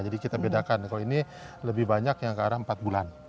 jadi kita bedakan kalau ini lebih banyak yang ke arah empat bulan